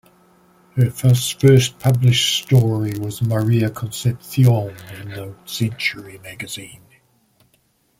Her first published story was "Maria Concepcion" in "The Century Magazine".